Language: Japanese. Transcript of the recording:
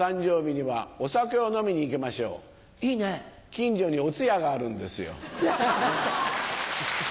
近所にお通夜があるんですよ。